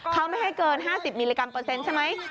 เขาไม่ให้เกิน๕๐มิลลิกรัมเปอร์เซ็นต์ใช่ไหม